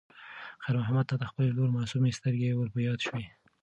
خیر محمد ته د خپلې لور معصومې سترګې ور په یاد شوې.